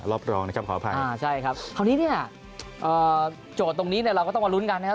รอบรองนะครับขออภัยอ่าใช่ครับคราวนี้เนี่ยโจทย์ตรงนี้เนี่ยเราก็ต้องมาลุ้นกันนะครับ